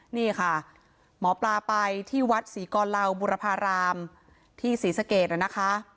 นี่ค่ะหมอปลาไปที่วัดศรีกรเหล่าบุรพารามที่ศรีสะเกดนะคะ